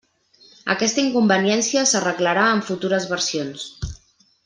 Aquesta inconveniència s'arreglarà en futures versions.